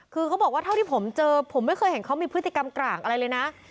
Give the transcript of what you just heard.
คือเขาบอกว่าเท่าที่ผมเจอผมไม่เคยเห็นเขามีพฤติกรรมกร่างอะไรเลยนะ